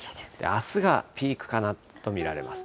あすがピークかなと見られます。